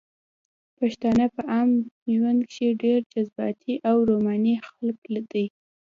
پښتانه په عام ژوند کښې ډېر جذباتي او روماني خلق دي